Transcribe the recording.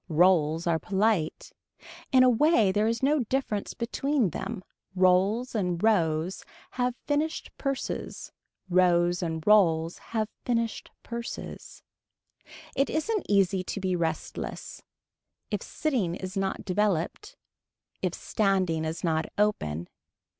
Rolls are polite. In a way there is no difference between them. Rolls and rows have finished purses. Rows and rolls have finished purses. It isn't easy to be restless. If sitting is not developed. If standing is not open.